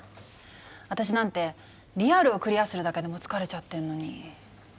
私なんてリアルをクリアするだけでも疲れちゃってんのに。